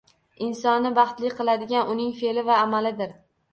Insonni baxtli qiladigan uning fe`li va amalidir